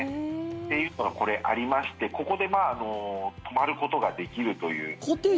っていうのがありましてここで泊まることができると。